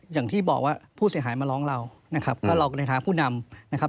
อย่างที่บอกว่าผู้เสียหายมาร้องเรานะครับก็เราก็เลยท้าผู้นำนะครับ